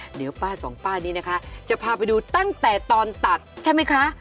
เดี๋ยวป้าสองป้านี้นะคะจะพาไปดูตั้งแต่ตอนตัดใช่ไหมคะ